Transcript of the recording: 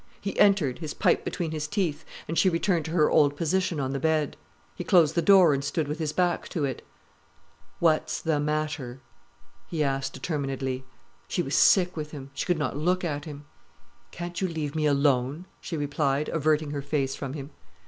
He entered, his pipe between his teeth, and she returned to her old position on the bed. He closed the door and stood with his back to it. "What's the matter?" he asked determinedly. She was sick with him. She could not look at him. "Can't you leave me alone?" she replied, averting her face from him.